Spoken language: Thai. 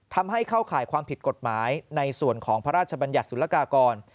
ทำให้เข้าข่ายความผิดกฎหมายในส่วนของพระราชบัญญัติศุลกากร